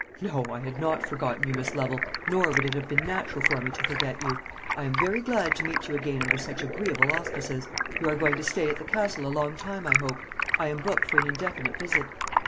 "No, I had not forgotten you, Miss Lovel, nor would it have been natural for me to forget you. I am very glad to meet you again under such agreeable auspices. You are going to stay at the Castle a long time, I hope. I am booked for an indefinite visit."